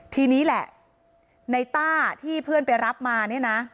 ทีนี้แหละในต้าที่เพื่อนไปรับมาเนี่ยนะ